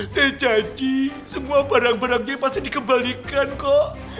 saya janji semua barang barangnya pasti dikembalikan kok